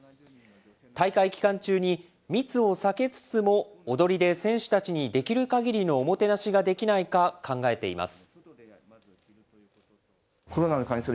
大会期間中に、密を避けつつも、踊りで選手たちにできるかぎりのおもてなしができないか考えています。